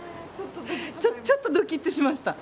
ちょっとドキッとしました。